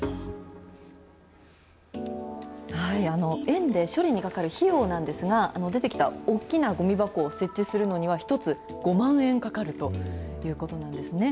園で処理にかかる費用なんですが、出てきた大きなごみ箱を設置するのには、１つ５万円かかるということなんですね。